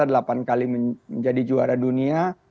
setelah berdua tahun dia sudah menjadi pemerintah indonesia